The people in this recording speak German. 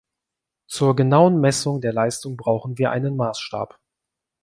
Zur genauen Messung der Leistung brauchen wir einen Maßstab.